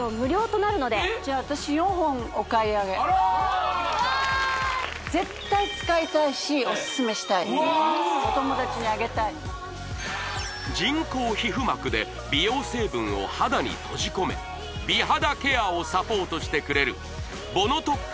じゃああらわいうわお友達にあげたい人工皮膚膜で美容成分を肌に閉じ込め美肌ケアをサポートしてくれるＢＯＮＯＴＯＸ